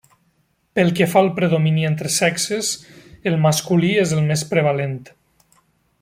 Pel que fa al predomini entre sexes, el masculí és el més prevalent.